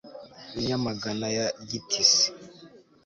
i nyamagana ya gitisi